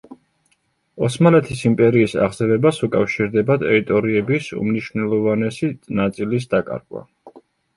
ოსმალეთის იმპერიის აღზევებას უკავშირდება ტერიტორიების უმნიშვნელოვანესი ნაწილის დაკარგვა.